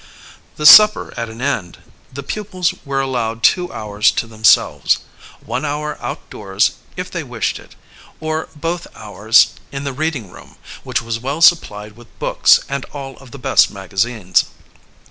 The supper at an end, the pupils were allowed two hours to themselves one hour outdoors if they wished it, or both hours in the reading room, which was well supplied with books and all of the best magazines.